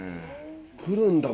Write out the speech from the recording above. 来るんだ